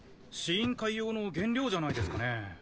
試飲会用の原料じゃないですかね？